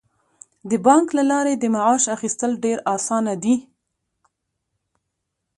د بانک له لارې د معاش اخیستل ډیر اسانه دي.